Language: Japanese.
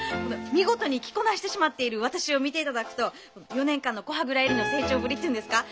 見事に着こなしてしまっている私を見て頂くと４年間の古波蔵恵里の成長ぶりっていうんですか。